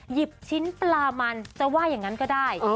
หยิบชิ้นปลามันจะว่าอย่างนั้นก็ได้